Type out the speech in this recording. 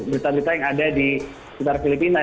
berita berita yang ada di sekitar filipina